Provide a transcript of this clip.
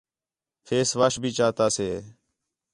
فیس واش بھی چاتا سے